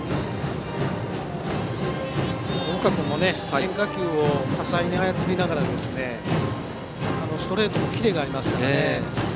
岡君も変化球を多彩に操りながらストレートもキレがありますからね。